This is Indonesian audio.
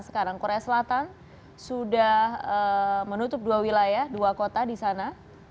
sekarang korea selatan sudah menutup dua wilayah dua kota di sana